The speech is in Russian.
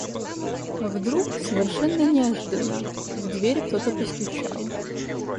Вдруг, совершенно неожиданно, в дверь кто-то постучал.